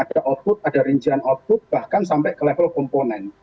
ada output ada rincian output bahkan sampai ke level komponen